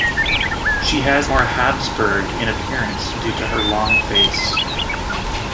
She was more Habsburg in appearance due to her long face.